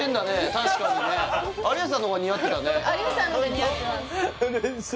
確かにね有吉さんの方が似合ってます